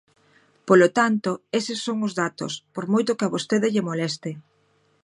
Polo tanto, eses son os datos, por moito que a vostede lle moleste.